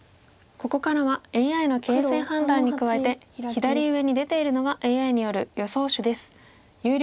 ここからはＡＩの形勢判断に加えて左上に出ているのがＡＩによる予想手です。